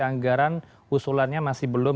anggaran usulannya masih belum